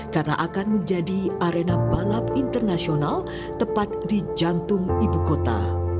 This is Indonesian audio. karena akan menjadi arena balap internasional tepat di jantung ibu kota